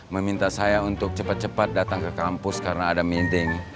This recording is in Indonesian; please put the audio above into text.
meminta saya untuk cepat cepat datang ke kampus karena ada meeting